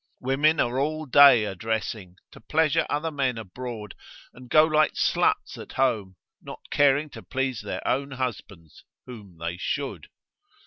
Women are all day a dressing, to pleasure other men abroad, and go like sluts at home, not caring to please their own husbands whom they should.